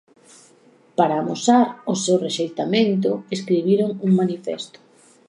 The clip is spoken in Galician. Para amosar o seu rexeitamento escribiron un manifesto.